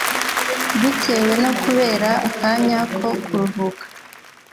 Bitewe no kubura akanya ko kuruhuka,